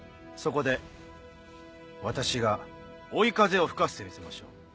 そこで私が追い風を吹かせてみせましょう。